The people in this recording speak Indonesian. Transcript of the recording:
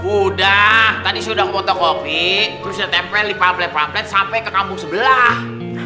udah tadi sudah foto kopi terus ditempel di pamplet pamplet sampai ke kampung sebelah